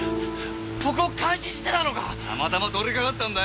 僕を監視してたのか⁉たまたま通りかかったんだよ！